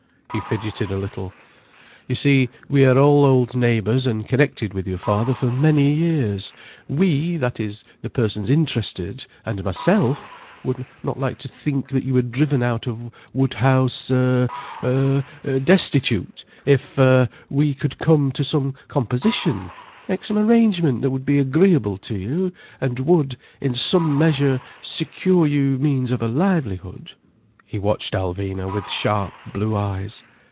—" He fidgetted a little. "You see, we are all old neighbours and connected with your father for many years. We—that is the persons interested, and myself—would not like to think that you were driven out of Woodhouse—er—er—destitute. If—er—we could come to some composition—make some arrangement that would be agreeable to you, and would, in some measure, secure you a means of livelihood—" He watched Alvina with sharp blue eyes.